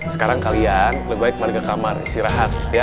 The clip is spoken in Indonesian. sekarang kalian lebih baik ke kamar istirahat ya